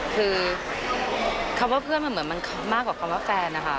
คือคำว่าเพื่อนมันเหมือนมันมากกว่าคำว่าแฟนนะคะ